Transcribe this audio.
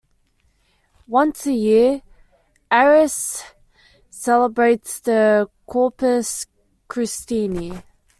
Once a year, Ares celebrates the "Corpus Christi".